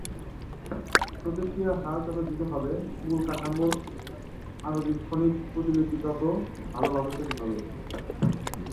প্রক্রিয়ার হার যত ধীর হবে, মূল কাঠামোর আণুবীক্ষণিক প্রতিলিপি তত ভালভাবে তৈরি হবে।